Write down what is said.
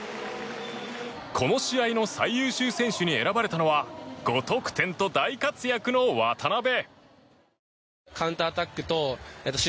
この試合の最優秀選手に選ばれたのは５得点と大活躍の渡邉。